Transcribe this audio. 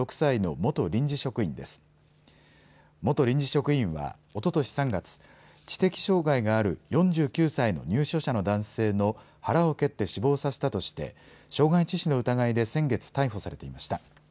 元臨時職員はおととし３月、知的障害がある４９歳の入所者の男性の腹を蹴って死亡させたとして傷害致死の疑いで先月逮捕されていました。